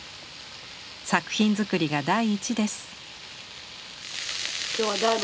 作品作りが第一です。